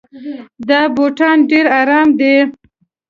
دا بوټان ډېر ارام دي.